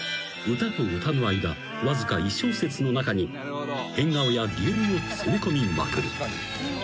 歌と歌の間わずか１小節の中に変顔や擬音を詰め込みまくる］